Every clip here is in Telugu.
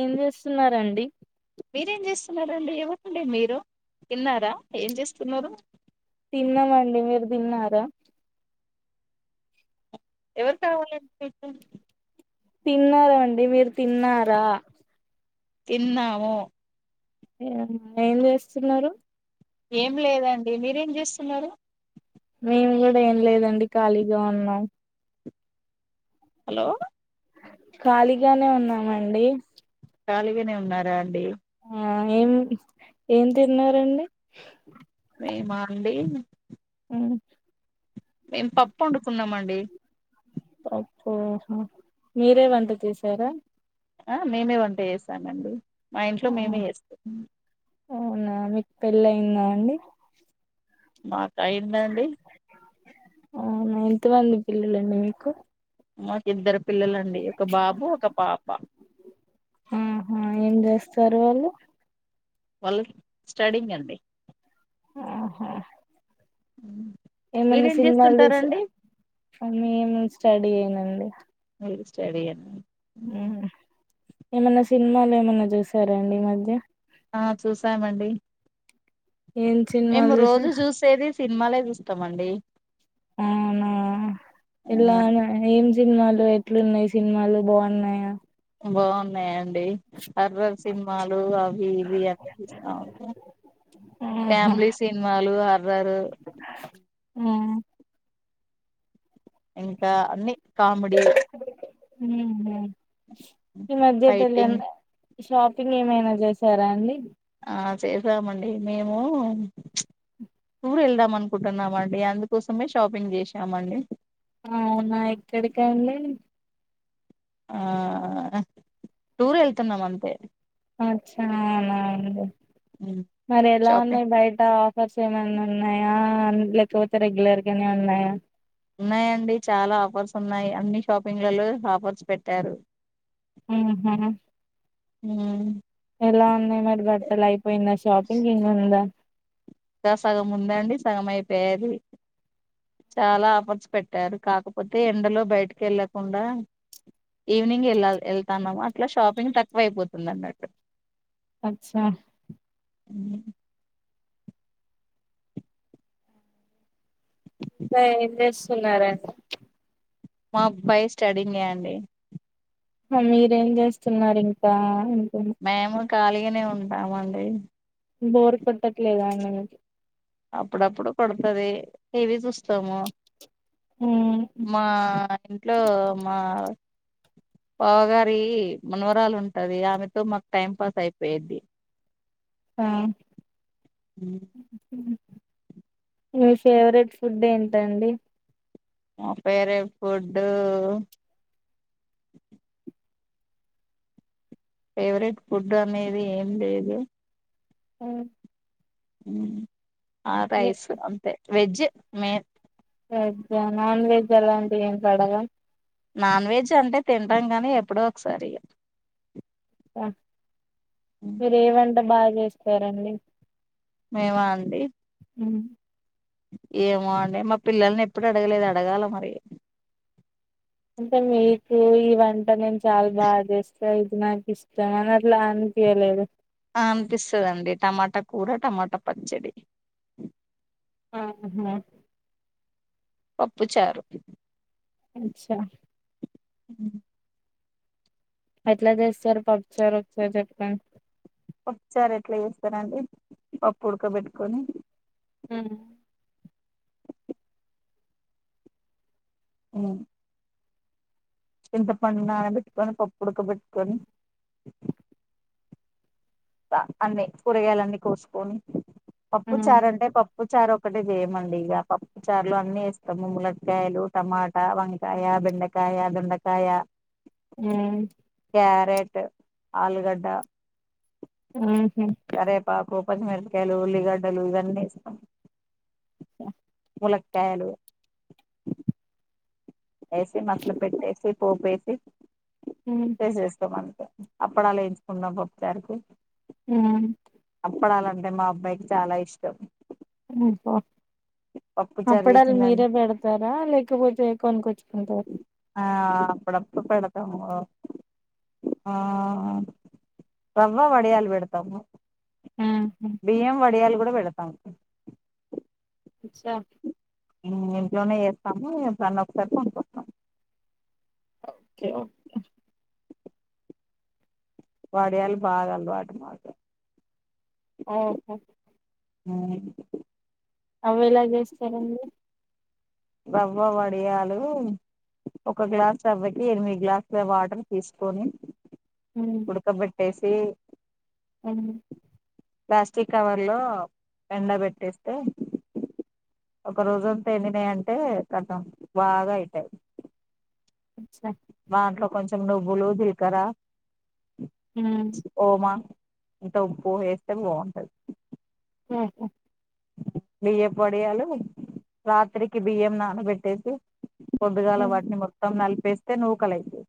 ఏం చేస్సున్నారండి మీరేం చేస్సున్నారు అండి ఎవరు అండి మీరు తిన్నారా ఏం చేస్తున్నారు తిన్నామండి మీరు తిన్నారా ఎవరు కావాలండి మీకు తిన్నారా అండి మీరు తిన్నారా తిన్నాము ఏమ్ ఏం చేస్తున్నారు ఏం లేదండి మీరేం చే స్తున్నారు మేము కూడా ఏం లేదండి ఖాళీగా ఉన్నాం హలో ఖాళీగానే ఉన్నామండి ఖాళీగనే ఉన్నారా అండి ఆ ఏం ఏం తిన్నారండి మేమా అండి హ్మ్ మేం పప్పు వండుకున్నామం డి పప్పు ఆహా మీరే వంట చేసారా ఆ మేమే వంట చేసానండి మా ఇంట్లో మేమే చేసుకున్నం అవునా మీకు పెళ్ళి అయిందా అండి మా టయ్యిందండి అవునా ఎంతమంది పిల్లలండి మీకు మాకిద్దరు పిల్లలండి ఒక బాబు ఒక పాప సర్ వాళ్ళు వాళ్ళ స్టడింగ్ అండి ఆహా ఉ ఏమన్నా సినిమాలు చూ అన్న ఏమన్నా స్టడీ అయనండి స్టడి అ ఊ ఏమన్న సినిమాలు ఏమన్నా చూసారాండి ఈ మధ్య ఆ చూసామండి ఏం మేము సినిమాలు రోజు చూసారు చూసేది సినిమాలే చూస్త తమండి అవునా ఇలా గా ఆ ఏం సినిమాలు ఎట్లున్నాయి సినిమాలు బాగున్నాయా బాగున్నాయి హర్రర్ సినిమాలు అవి ఇవి అన్నీ చూస్తా ఉంటామ్ ఆహా ఫ్యామిలీ సినిమాలు హర్రర్ ఇంకా అన్ని కామెడీ హ్మ్ ఈ మధ్యటల ఫైటింగ్ ఎంత షాపింగ్ ఏమైనా చేసారా అండి ఆ చేశామండి మేము టూర్ వెళ్దాం అనుకుంటున్నామండి అందుకోసమే షాపింగ్ చేసామండి అవునా ఎక్కడికి అండి ఆ టూర్ వెళ్తున్నాం అంతే అచ్చ అవునండి మరి ఎలా షాపింగ్ ఉన్నాయి బయట ఆఫర్స్ ఏమైన్నా ఉన్నాయా లేకపోతే రెగ్యులర్ గానే ఉన్నాయా ఉన్నాయండి చాలా ఆఫర్స్ ఉన్నాయి అన్ని షాపింగ్లలో ఆఫర్స్ పెట్టారు ఆ హ ఎలా ఉన్నాయి మరి బట్టలు అయిపోయిందా షాపింగ్ ఇంగా ఉందా ఇంకా సగం ఉందండి సగం అయిపోయది చాలా ఆఫర్స్ పెట్టారు కాకపోతే ఎండలో బయటకి వెళ్ళకుండా ఈవినింగ్ వెళ వెళ్తాన్నాము అట్లా షాపింగ్ తక్కువ అయిపోతుంది అన్నట్టు అచ్చా ఊహూ ఇంకా ఏం చేస్తున్నారండి మా అబ్బాయి స్టడింగ్ ఏ అండి మీరేం చేస్తున్నారు ఇంకా అంటున్న మేము ఖాళీగానే ఉన్నాము అండి బోర్ కొట్టట్లేదా అ అప్పుడప్పుడు కొడతది టీవి చూస్తాము. మ్మ్ మా ఇంట్లో మా పావగారి మనవరాలు ఉంటది. ఆమెతో మాకు టైం పాస్ అయిపోయిద్ది. ఆ మీ ఫేవరెట్ ఫుడ్ ఏంటండి. మ పేరెట్ ఫుడ్ ఫేవరెట్ ఫుడ్ అనేది ఏం లేదు. ఉ హు ఆ రైస్ అంతే వెజ్ మే వెజ్జ నాన్ వెజ్ అలాంటివి ఏం పడవా నాన్ వెజ్ అంటే తింటాం, గానీ ఎప్పుడో ఒకసారి ఆ మీరు ఏ వంట బా చేస్తారండి. మేమా అండి. హు ఏమో అండి. మా పిల్లల్ని ఎప్పుడు అడగలేదు అడగాల మరి అంటే మీకు ఈ వంట నేను చాలా బా చేస్తా ఇది నాకు ఇష్టం. అని అట్లా అనిపియలేద ఆ అనిపిస్సదండి. టమాటా కూర టమాటా పచ్చడి ఆహా పప్పుచారు అచ్చా అ ఎట్లా చేస్సారు పప్చారు ఒకసారి చెప్ప పప్పుచార ఎట్లా చేస్తారండి. పప్పు ఉడకబెట్టుకొని హు ఉ ఇంత పన్ నానపెట్టుకొని పప్పు ఉడకపెట్టుక్కొని వ అన్నీ కూరగాయలన్నీ కోసుకొని పప్పు చారంటే పప్పు చారు ఒక్కటే చేయమండి. ఇగ పప్పు చారులో అన్నీ ఎస్తాము. ములక్కాయలు, టమాటా, వంకాయ, బెండకాయ, దొండకాయ హు క్యారెట్, ఆలుగడ్డ హు కరేపాక్ కో పతిమిరకాయలు, ఉల్లిగడ్డలు ఇవన్నీ ఎస్తం. స ములక్కాయలు ఏసి మసలపెట్టెసి పోపేసి ట్రై చేసేస్తామని అప్పుడలా ఎయించుకుంనం పప్పుసారికి అ ఆప్పడాలంటే మా అబ్బాయికి చాలా ఇష్టం ఉ స పప్పుచారు అప్పుడ వాళ్ళు చేసిందని మీరే పెడతారా లేకపోతే కొనుక్కొచ్చు ఆ పడపుపడు పెడ ఆ రవ్వ వడియాలు పెడతాము ఉహు బియ్యం వడియాలు కూడా పెడతాము చ్చా ఇంట్లోనే ఎస్తాము పన్న ఒకసారి పనుకుస్తాం ఓకే ఓకే వాడయాాల బాగాల వాట మాకు ఓహో అ అవ ఇలా చేస్తారంండి రవ్వ వడియాలు ఒక గ్లాస్ రవ్వటి ఎనిమిది గ్లాసుల వాటర్ తీసుకొని. ఉమ్ ఉడుకబట్ వేసి ఉమ్ ప్లాస్టిక్ కవర్ లో ఎండ పెట్టేస్తే ఒక రోజుంతంత ఎడినా అంటే కొంచం బాగా అయితాయి. అచ్చా మాంట్లో కొంచెం నువ్వులు జిలకర ఉమ్ ఓమా ఇంత ఉప్పు వేస్తే బాగుంటది ఓహఓ బియ్య పొడియాలు రాత్రికి బియ్యం నానబెట్టేసి పొద్డుగాల ఉమ్ వాట్టిని మొత్తం నల్ వేస్తే నూవుకలైతే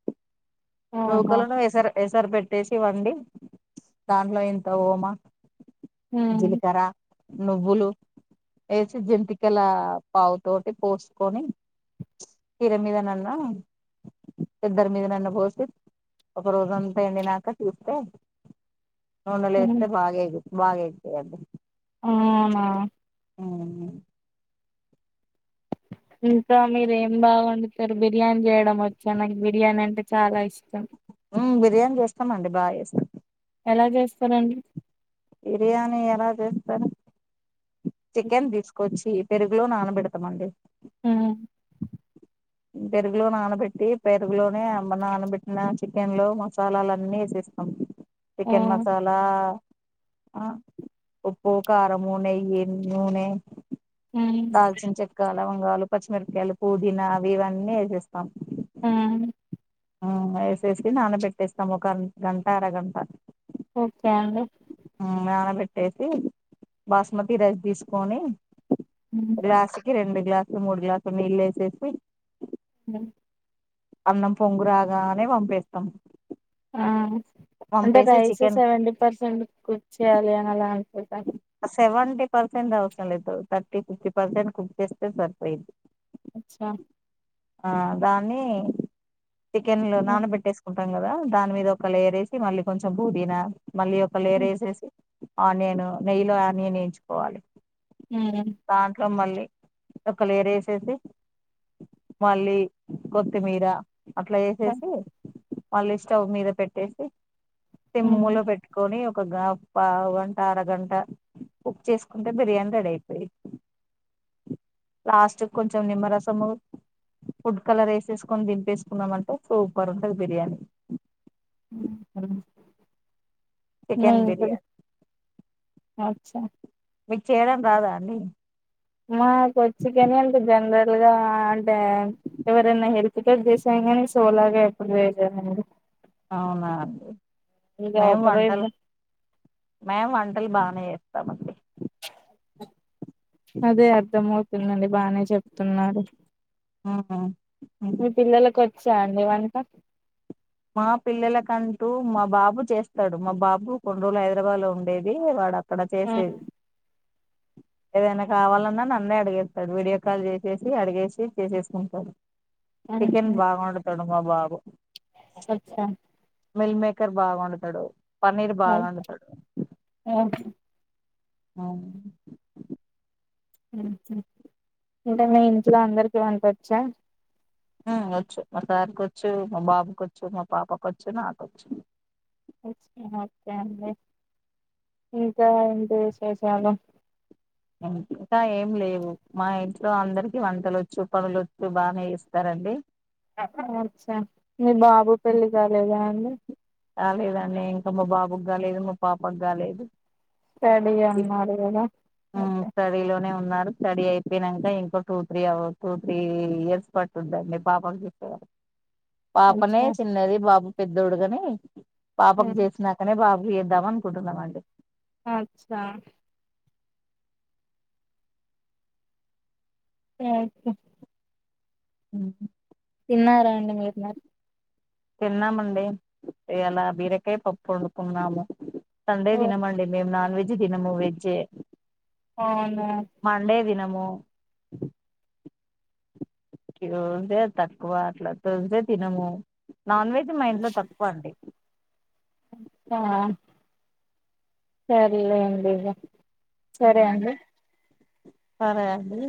ఓహో లోౌకలను ఎసర పెసర్ పెట్టేసి వండి దాంట్లో ఇంత వోమా ఉమ్ జీలకర నువ్వులు వేసి జంతికల పావు తోటి పోసుకొని కీర మీదనన్న ఎద్దరి మీదనన్న పోసి ఒక రోజంతా ఎండినాక చూస్తే. నూనలో ఎస్తే బా ఆగి బాగాయితే అంట ఆవునా అవును ఇంకా మీర ఏం బాగ వండుతారు బిర్యానీ చేయడం వచ్చా నాకు బిర్యానీ అంటే చాలా ఇష్టం. ఉ బిర్యానీ చేస్తామండి బాగా చేస్తాం ఎలా చేస్తారంండి బిర్యానీ ఎలా చేస్తారు చికెన్ తీసుకొచ్చి పెరుగు లో నానబెడతమండి హ్మ్ పెరుగులో నానబెట్టి పెరుగులోనే అమ్మ నానబెట్టిన చికెన్ లో మసాలాల అన్నీ వేసేస్తాం ఆ చికెన్ మసాలా ఆ ఉప్పు కారం నునె ఏ నునె దాల్చిన చెక్క లవంగాలు పచ్చిమిరకాయలు పుదీనా అవి ఇవన్నీ వేసేస్తాం ఆ వేసేసి నానబెట్టేస్తాం ఒక గంట అరగంట ఓకే అండి పెట్టేసి బాస్మతి రైస్ తీసుకొని ఉమ్ గ్లాసుకి రెండు గ్లాస్ మూడు గ్లాసు నీళ్ళు వేసేసి అ అన్నం పొంగురాగానే వంపేస్తాం ఆ అంటే rice chicken seventy percent cook చెయాలి అని అలా చెప్తారు సెవెంటీ పర్సెంట్ అవసరం లేదు థర్టీ ఫిఫ్టీ పర్సెంట్ కుర్ చేస్తే సరిపోయింది అచ్చా ఆ దాన్ని చికెన్ లో ఉమ్ నాన పెట్టేకుంట ం కదా దాని మీద ఒక లేర్ేసి మళ్ళీ కొంచంుదీనా మళ్ళీ ఒక లేర ఉమ్ వేసేసి ఆనియన్ నెయ్యిలో ఆనియన్ వెంచుకోవాలి దాంట్లో మళ్ళీ ఒక లేరు వేసేసి మళీ కొత్తిమీర అట్లా ఉమ్ వేసేసి మళ్ళీ స్టవ్ మీద పెట్టేసి ఉమ్ సిమ్ములో పెట్టుకొని ఒక పా గంట అరగంట కుక్ చేసుకుంటే బిర్యానీ రెడీ అయిపోయి లాస్ట్ కొంచెం నిమ్మరసము ఫుడ్ కలర్ వేసేసుకొని దింపేసుకున్నామంటే సూపర్ ఉంటది బిర్యానీ హు చికెన్ బిర్యానీ చ్యాట్‌ మీక్ చేయడం రాదా అండి మాకోచ్చు గాని అంటే జనరల్ గా అంటే ఎవరైనా హెల్పతో చేశాం కానీ సోలోగా ఎప్పుడు చేయలేదండి అవున ఇక మేము ఒకరు వంటల్‌ ఇద్దరు మేము వంటల్‌ బానే సమండి అదే అర్ధ మవు [inaudible] బానే చెప్తున్నారు ఆహ్ ఆహా హ్మ్ చ అండి వంట మా పిల్లలకంటూ మా బాబు చేస్తాడు మా బాబు కొన్ని రోజులు హైదరాబాద్ లో ఉండేది వాడ అక్కడ ఆ, చేసేది ఏదైనా కావాలన్నా నన్నే అడిగేస్తాడు వీడియో కాల్ చేసేసి అడిగేసి చేసేసుకుంటాడు చికెన్ ఆహా, బాగవండుతాడు మా బాబు స మిల్ మేకర్ బాగవండుతాడు పన్నీర్ ఓ బాగా వండుతాడు ఓ అ అంటే మీ ఇంట్లో అందరికి వంటొచ్చా వచ్చు మా సారికి వచ్చు మా బాబుక వచ్చు మా పాపక వచ్చు నాకొచ్చు ఓకే అండి ఇంకా ఏంటి విశేషాలు ఇం ఇంకా ఏం లేవు మా ఇంట్లో అందరికి వంటలు వచ్చు పనులుొచ్చు బానే ఇస్తారండి అచ్చా మీ బాబు పెళ్ళి కాలేదా అండి రాలేదండి ఇంకా మా బాబుకి కాలేదు మా పాపకు కాలేదు స్టడీ అన్నారు కాదా హ్మ్ స్టడీ లో ఉన్నారు స్టడీ అయిపోయినాక ఇంకో టూ త్రీ అవ టూ త్రీ ఇయర్స్ పట్తుందండి పాప చూసే పాపనే అచ్చా చిన్నది బాబు పెద్దోడుగాని పాపకు ఉమ్. చేసినాకనే బాబు ఎదవన్ కుంటుంనమండి అచ్చా స స హ్మ్ తిన్నారా అండి మీరున్న తిన్నామండి ఇయాల బీరకాయ పప్పు వండుకున్నాము సండే ఓ, తినంమండి మేము నా నన్ వెజ్ దినముూ వెజ్ ఎ అవునా ఆమో కిలో ఉంటే తక్కువ అట్లా ట్యూస్డే తినము నాన్ వెజ్ మా ఇంట్లో తక్కువ అండి ఆ సర్లేండిగా సరే అండి సరే అండి